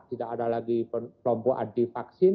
tidak ada lagi kelompok anti vaksin